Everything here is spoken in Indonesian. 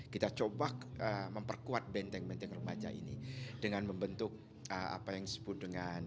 kita coba memperkuat benteng benteng remaja ini dengan membentuk apa yang disebut dengan